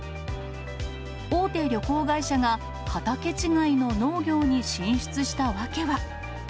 大手旅行会社が畑違いの農業に進出した訳は。